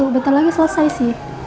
bentar lagi selesai sih